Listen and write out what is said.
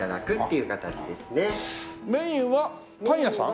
メインはパン屋さん？